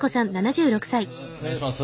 お願いいたします。